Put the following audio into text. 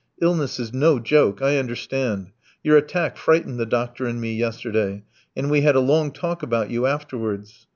Illness is no joke, I understand. Your attack frightened the doctor and me yesterday, and we had a long talk about you afterwards.